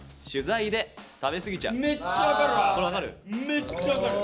めっちゃ分かるわ！